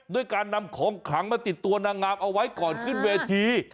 ด้วยการนำของขลังมาติดตัวนางงามเอาไว้ก่อนขึ้นเวที